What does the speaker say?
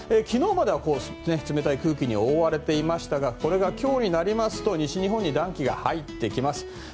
昨日までは冷たい空気に覆われていましたがこれが今日になりますと西日本に暖気が入ってきます。